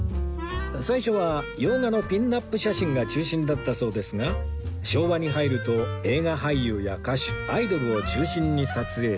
最初は洋画のピンナップ写真が中心だったそうですが昭和に入ると映画俳優や歌手アイドルを中心に撮影